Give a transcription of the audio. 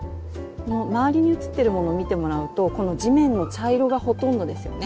周りに写ってるものを見てもらうとこの地面の茶色がほとんどですよね。